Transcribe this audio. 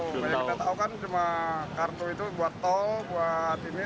banyak kita tahu kan cuma kartu itu buat tol buat ini